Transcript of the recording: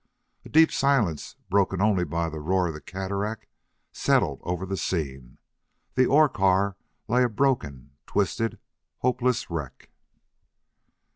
A deep silence, broken only by the roar of the cataract, settled over the scene. The ore car lay a broken, twisted, hopeless wreck.